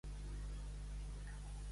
Ser un siboc.